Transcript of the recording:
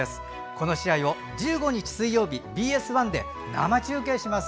この試合を１５日、水曜日ＢＳ１で生中継します。